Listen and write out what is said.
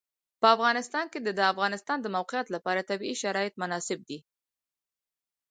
په افغانستان کې د د افغانستان د موقعیت لپاره طبیعي شرایط مناسب دي.